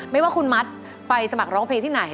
ไม่ว่าคุณมัดไปสมัครร้องเพลงที่ไหน